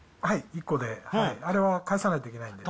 １個で、あれは返さないといけないので。